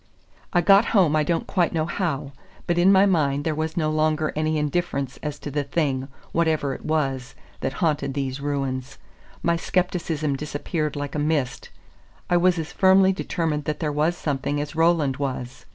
I got home I don't quite know how; but in my mind there was no longer any indifference as to the thing, whatever it was, that haunted these ruins. My scepticism disappeared like a mist. I was as firmly determined that there was something as Roland was.